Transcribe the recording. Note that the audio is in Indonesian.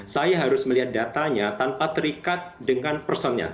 saya harus melihat datanya tanpa terikat dengan personnya